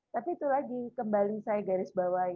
tapi itu lagi kembali saya garis bawahi